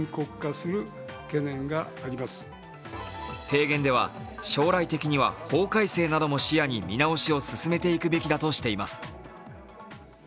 提言では将来的には法改正なども視野に見直しを進めていくべきだとしています。